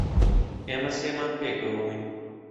ئێمە سێ مانگ پێکەوە بووین.